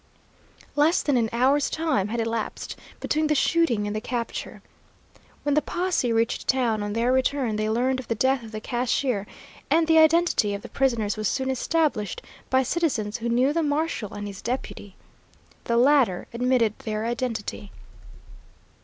Less than an hour's time had elapsed between the shooting and the capture. When the posse reached town on their return, they learned of the death of the cashier, and the identity of the prisoners was soon established by citizens who knew the marshal and his deputy. The latter admitted their identity.